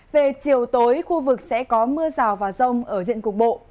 về chiều tối khu vực sẽ có mưa rào và rông ở diện cục bộ